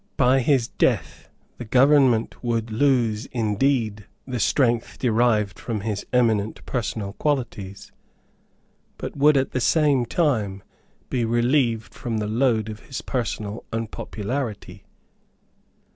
By his death the government would lose indeed the strength derived from his eminent personal qualities, but would at the same time be relieved from the load of his personal unpopularity.